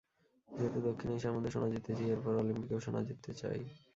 যেহেতু দক্ষিণ এশিয়ার মধ্যে সোনা জিতেছি, এরপর অলিম্পিকেও সোনা জিততে চাই।